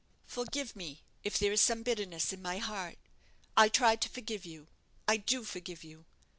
Forgive me if there is some bitterness in my heart. I try to forgive you I do forgive you!